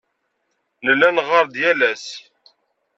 Nella neɣɣar-d yal ass.